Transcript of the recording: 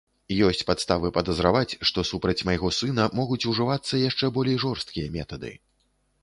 Ёсць падставы падазраваць, што супраць майго сына могуць ужывацца яшчэ болей жорсткія метады.